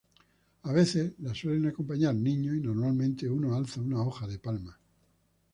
A veces la suelen acompañar niños y normalmente uno alza una hoja de palma.